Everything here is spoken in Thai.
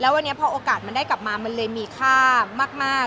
วันนี้พอโอกาสมันได้กลับมามันเลยมีค่ามาก